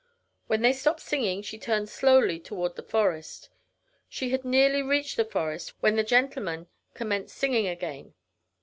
When they stopped singing, she turned slowly toward the forest. She had nearly reached the forest, when the gentlemen commenced singing again.